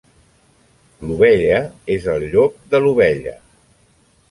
L'ovella és el llop de l'ovella.